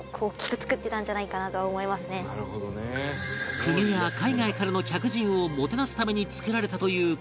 公家や海外からの客人をもてなすために造られたというこの屋敷